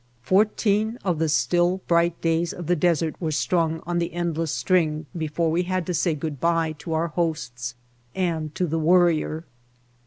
Fourteen of the still, bright days of the desert were strung on the end less string before we had to say good by to our hosts and to the Worrier.